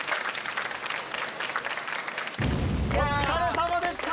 お疲れさまでした！